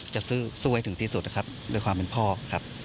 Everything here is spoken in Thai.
จะสู้ให้ถึงที่สุดนะครับด้วยความเป็นพ่อครับ